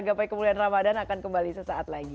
gapai kemuliaan ramadan akan kembali sesaat lagi